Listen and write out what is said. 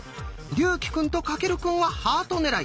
竜暉くんと翔くんはハート狙い。